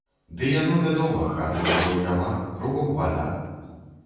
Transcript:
Ды яно, вядома, хаты другой няма, кругом вада.